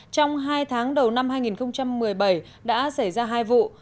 trong hai tháng đầu năm hai nghìn một mươi bảy đã xảy ra hai vụ